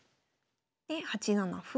で８七歩。